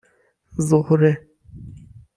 زهره